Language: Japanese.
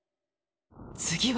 次は。